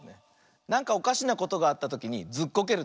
なんかおかしなことがあったときにずっこけるのね。